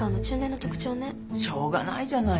しょうがないじゃない。